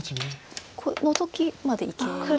ノゾキまでいけます。